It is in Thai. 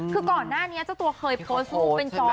คือก่อนหน้านี้เจ้าตัวเคยโพสต์รูปเป็นจอ